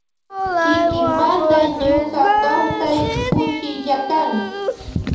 Kikimanda ñuka kausai kushillakan.